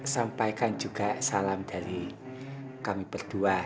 sampaikan juga salam dari kami berdua